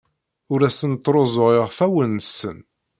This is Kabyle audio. Ur asen-ttruẓuɣ iɣfawen-nsen.